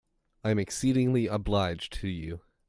I am exceedingly obliged to you.